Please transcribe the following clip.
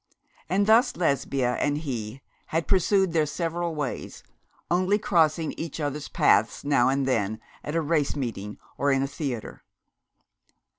And thus Lesbia and he had pursued their several ways, only crossing each other's paths now and then at a race meeting or in a theatre.